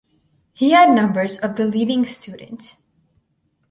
He had numbers of the leading students.